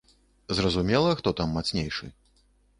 Зразумела, хто там мацнейшы.